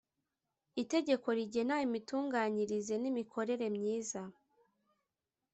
itegeko rigena imitunganyirize n imikorere myiza